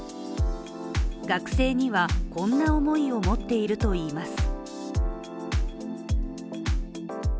学生にはこんな思いを持っているといいます。